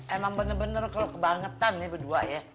emang bener bener kalau kebangetan ini berdua ya